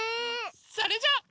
それじゃ。